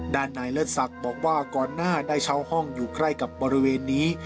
ด้านนายเลิศศักดิ์บอกว่าก่อนหน้าได้เช่าห้องอยู่ใกล้กับบริเวณนี้